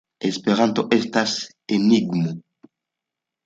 Esperanto estas enigmo.